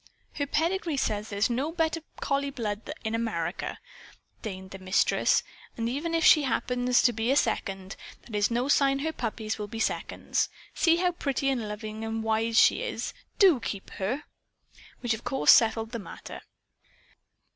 "Her pedigree says there's no better collie blood in America," denied the Mistress. "And even if she happens to be a 'second,' that's no sign her puppies will be seconds. See how pretty and loving and wise she is. DO keep her!" Which of course settled the matter.